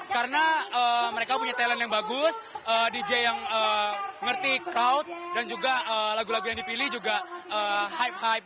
karena mereka punya talent yang bagus dj yang ngerti crowd dan juga lagu lagu yang dipilih juga hype hype